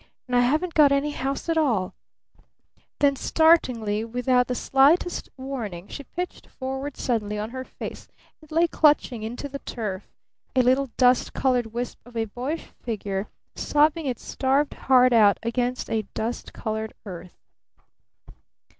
And I haven't got any house at all " Then startlingly, without the slightest warning, she pitched forward suddenly on her face and lay clutching into the turf a little dust colored wisp of a boyish figure sobbing its starved heart out against a dust colored earth.